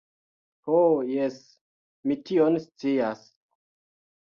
Ho, jes, mi tion scias.